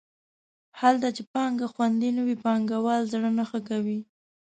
هلته چې پانګه خوندي نه وي پانګوال زړه نه ښه کوي.